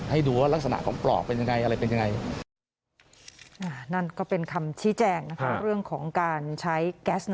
ให้ดูว่ารักษณะของปลอกเป็นยังไงอะไรเป็นยังไง